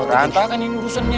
lantah kan ini urusannya